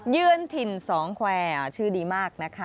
เยือนถิ่นสองแควร์ชื่อดีมากนะคะ